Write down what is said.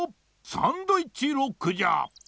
「サンドイッチロック」じゃ！